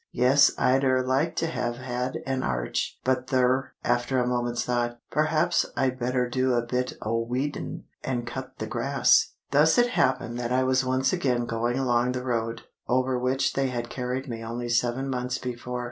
Yes, I'd er like to have had an arch. But thur,"—after a moment's thought—"perhaps I'd better do a bit o' weedin' and cut the grass." Thus it happened that I was once again going along the road, over which they had carried me only seven months before.